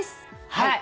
はい。